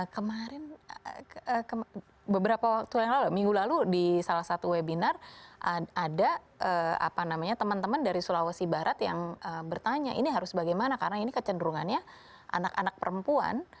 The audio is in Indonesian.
kemarin beberapa waktu yang lalu minggu lalu di salah satu webinar ada teman teman dari sulawesi barat yang bertanya ini harus bagaimana karena ini kecenderungannya anak anak perempuan